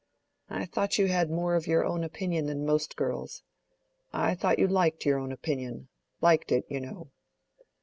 —I thought you had more of your own opinion than most girls. I thought you liked your own opinion—liked it, you know."